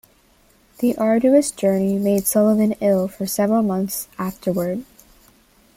The arduous journey made Sullivan ill for several months afterward.